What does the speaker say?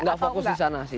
enggak fokus di sana sih